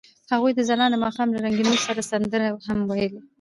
هغوی د ځلانده ماښام له رنګونو سره سندرې هم ویلې.